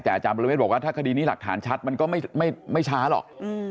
แต่อาจารย์ประเวทบอกว่าถ้าคดีนี้หลักฐานชัดมันก็ไม่ช้าหรอก